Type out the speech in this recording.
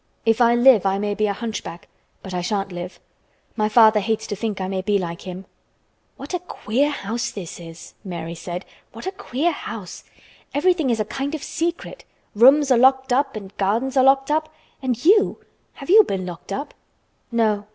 If I live I may be a hunchback, but I shan't live. My father hates to think I may be like him." "Oh, what a queer house this is!" Mary said. "What a queer house! Everything is a kind of secret. Rooms are locked up and gardens are locked up—and you! Have you been locked up?" "No.